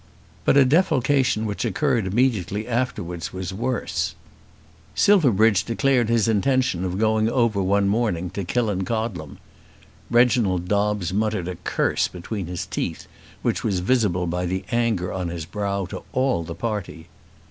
But a defalcation which occurred immediately afterwards was worse. Silverbridge declared his intention of going over one morning to Killancodlem. Reginald Dobbes muttered a curse between his teeth, which was visible by the anger on his brow to all the party.